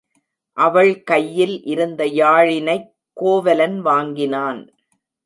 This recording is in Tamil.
அவள் கையில் இருந்த யாழினைக் கோவலன் வாங்கினான்.